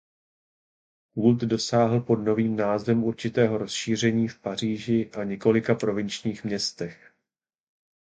Kult dosáhl pod novým názvem určitého rozšíření v Paříži a několika provinčních městech.